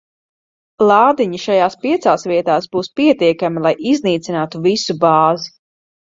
Lādiņi šajās piecās vietās būs pietiekami, lai iznīcinātu visu bāzi.